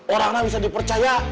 orangnya bisa dipercaya